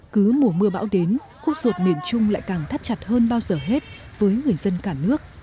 cứ mùa mưa bão đến khúc ruột miền trung lại càng thắt chặt hơn bao giờ hết với người dân cả nước